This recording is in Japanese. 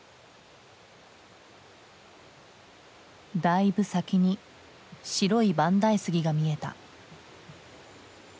だいぶ先に白い万代杉が見えた。